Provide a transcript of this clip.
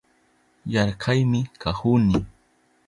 Yarkaymi kahuni